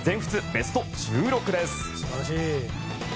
ベスト１６です。